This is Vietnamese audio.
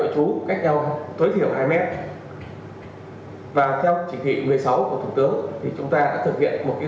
chú cách nhau tối thiểu hai mét và theo chỉ thị một mươi sáu của thủ tướng thì chúng ta đã thực hiện một